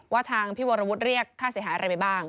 ทางพี่วรวุฒิเรียกค่าเสียหายอะไรไปบ้าง